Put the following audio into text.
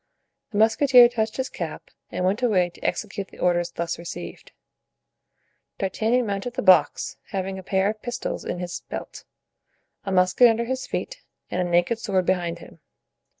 The musketeer touched his cap and went away to execute the orders thus received. D'Artagnan mounted the box, having a pair of pistols in his belt, a musket under his feet and a naked sword behind him.